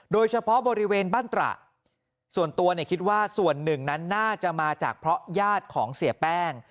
โดยเฉพาะบริเวณบ้านตระส่วนตัวเนี่ยคิดว่าส่วนหนึ่งนั้นน่าจะมาจากเพราะญาติของเสียแป้ง